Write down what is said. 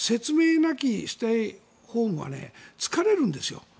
なきステイホームは疲れるんですよ。